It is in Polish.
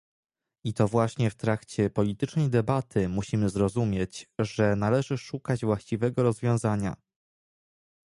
I to właśnie w trakcie politycznej debaty musimy zrozumieć, że należy szukać właściwego rozwiązania